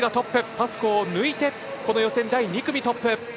パスコーを抜いて予選第２組トップ。